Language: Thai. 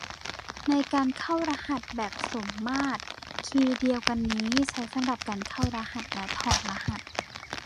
ในการเข้ารหัสแบบสมมาตรคีย์เดียวกันนี้ใช้สำหรับการเข้ารหัสและถอดรหัส